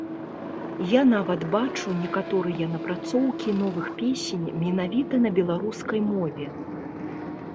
Я нават бачу некаторыя напрацоўкі новых песень менавіта на беларускай мове.